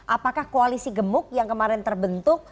apakah koalisi gemuk yang kemarin terbentuk